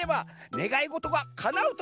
ねがいごとがかなうの？